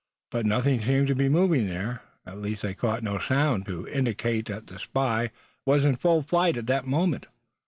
But nothing seemed to be moving there; at least they caught no sound to indicate that the spy was in full flight at that moment.